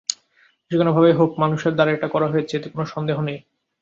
যেকোনোভাবেই হোক কোনো মানুষের দ্বারা এটা করা হয়েছে, এতে কোনো সন্দেহ নেই।